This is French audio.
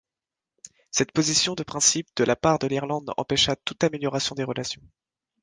Cette position de principe de la part de l'Irlande empêcha toute amélioration des relations.